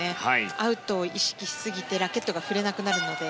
アウトを意識しすぎてラケットが振れなくなるので。